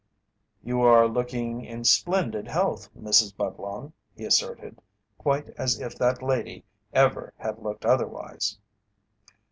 "You are looking in splendid health, Mrs. Budlong," he asserted, quite as if that lady ever had looked otherwise.